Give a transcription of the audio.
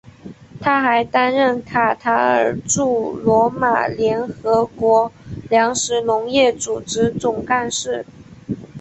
他还担任卡塔尔驻罗马联合国粮食农业组织总干事。